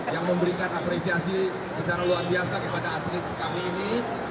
yang memberikan apresiasi secara luar biasa kepada atlet kami ini